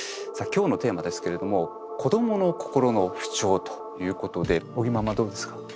今日のテーマですけれども「子どもの心の不調」ということで尾木ママどうですか？